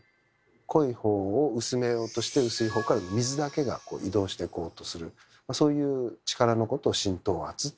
濃い方を薄めようとして薄い方から水だけが移動してこうとするそういう力のことを浸透圧と言ってます。